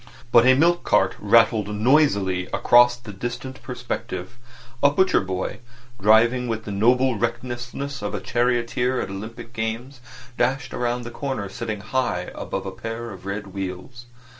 But a milk cart rattled noisily across the distant perspective; a butcher boy, driving with the noble recklessness of a charioteer at Olympic Games, dashed round the corner sitting high above a pair of red wheels.